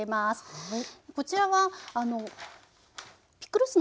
はい。